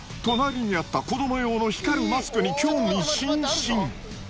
隣にあった子ども用の光るマスクに興味津々。